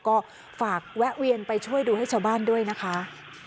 ก็ฝากแวะเวียนไปช่วยดูให้ชาวบ้านด้วยนะคะ